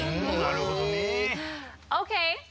なるほどね。ＯＫ！